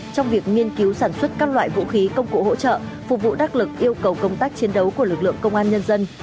trong việc nghiên cứu sản xuất các loại vũ khí công cụ hỗ trợ phục vụ đắc lực yêu cầu công tác chiến đấu của lực lượng công an nhân dân